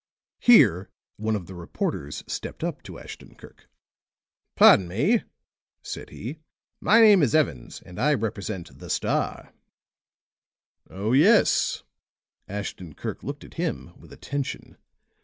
Here one of the reporters stepped up to Ashton Kirk. "Pardon me," said he. "My name is Evans, and I represent the Star." "Oh, yes." Ashton Kirk looked at him with attention.